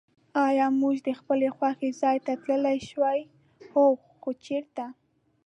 آیا موږ د خپل خوښي ځای ته تللای شوای؟ هو. خو چېرته؟